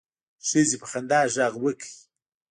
ښځې په خندا غږ وکړ.